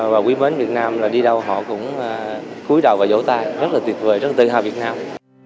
và quý mến việt nam là đi đâu họ cũng cúi đầu và dỗ ta rất là tuyệt vời rất là tự hào việt nam